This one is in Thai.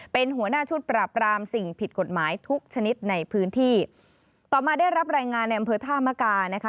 เป็นหัวหน้าชุดปราบรามสิ่งผิดกฎหมายทุกชนิดในพื้นที่ต่อมาได้รับรายงานในอำเภอท่ามกานะคะ